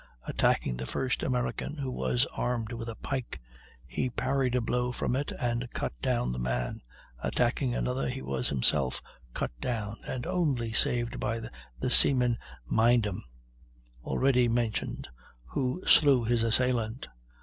Attacking the first American, who was armed with a pike, he parried a blow from it, and cut down the man; attacking another he was himself cut down, and only saved by the seaman Mindham, already mentioned, who slew his assailant.